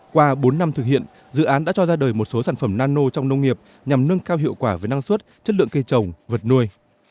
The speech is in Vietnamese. qua bốn năm thực hiện dự án đã cho ra đời một số sản phẩm nano trong nông nghiệp nhằm nâng cao hiệu quả với năng suất chất lượng cây trồng vật nuôi